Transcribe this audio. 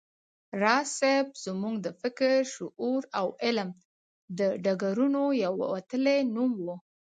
راز صيب زموږ د فکر، شعور او علم د ډګرونو یو وتلی نوم و